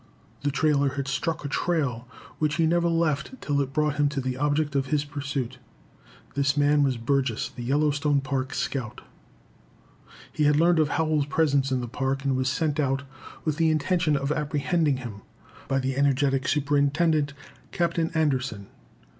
The trailer had struck a trail which he never left till it brought him to the object of his pursuit. This man was Burgess, the Yellowstone Park scout. He had learned of Howell's presence in the Park, and was sent out, with the intention of apprehending him, by the energetic superintendent, Captain Anderson.